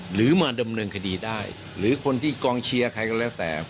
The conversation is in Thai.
หรือมาดำเนินคดีได้หรือคนที่กองเชียร์ใครก็แล้วแต่